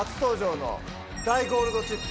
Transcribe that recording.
ダイゴールドチップ。